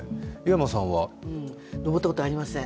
登ったことありません。